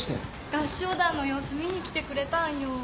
合唱団の様子見に来てくれたんよ。